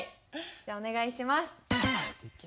じゃお願いします。